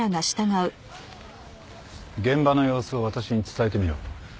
現場の様子を私に伝えてみろ。